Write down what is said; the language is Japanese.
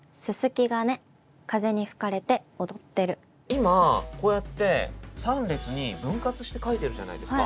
今こうやって３列に分割して書いてるじゃないですか。